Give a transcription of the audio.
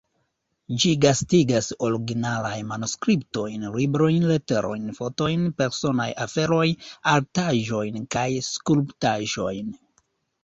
Ĝi gastigas originalaj manuskriptojn, librojn, leterojn, fotojn, personaj aferojn, artaĵojn kaj skulptaĵojn.